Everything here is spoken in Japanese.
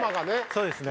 そうですね。